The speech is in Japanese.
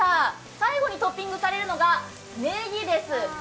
最後にトッピングされるのが、ねぎです。